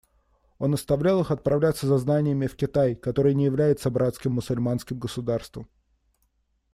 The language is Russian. Он наставлял их отправляться за знаниями в Китай, который не является братским мусульманским государством.